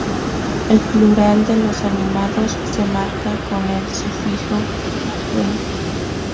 El plural de los animados se marca con el sufijo -"wɨn".